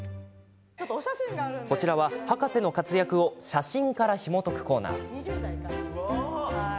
こちらは、博士の活躍を写真からひもとくコーナー。